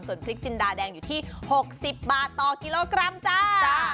ส่วนพริกจินดาแดงอยู่ที่๖๐บาทต่อกิโลกรัมจ้า